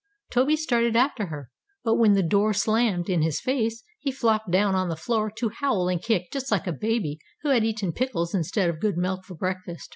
Toby started after her, but when the door slammed in his face he flopped down on the floor to howl and kick just like a baby who had eaten pickles instead of good milk for breakfast.